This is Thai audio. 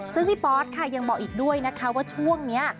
ซึ่งพี่ป๊อตค่ะยังบอกอีกด้วยนะคะว่าช่วงนี้